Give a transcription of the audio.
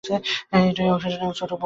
এই অংশের নাম ছোট তরফ।